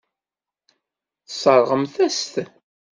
Tesseṛɣemt-as-t.